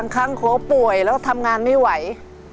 ข้างโขป่วยแล้วทำงานไม่ไหว